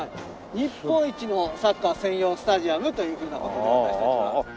日本一のサッカー専用スタジアムというふうな事で私たちは。